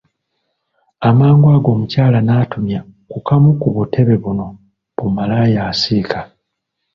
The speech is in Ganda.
Amangu ago omukyala n’atumya ku kamu ku butebe buno bu malaaya asiika.